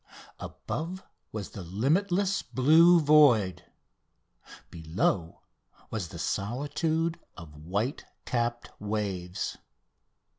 Above was the limitless blue void. Below was the solitude of white capped waves.